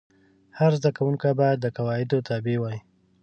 هر زده کوونکی باید د قواعدو تابع وای.